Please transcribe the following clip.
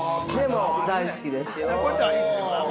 大好きですよ。